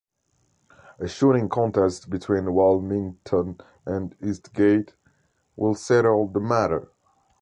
A shooting contest between Walmington and Eastgate will settle the matter.